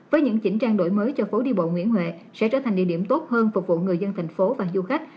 với những chỉnh trang đổi mới cho phố đi bộ nguyễn huệ sẽ trở thành địa điểm tốt hơn phục vụ người dân thành phố và du khách